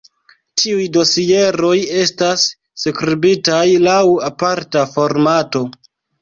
Tiuj dosieroj estas skribitaj laŭ aparta formato.